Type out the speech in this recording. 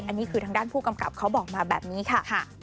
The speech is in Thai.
อันนี้คือทางด้านผู้กำกับเขาบอกมาแบบนี้ค่ะ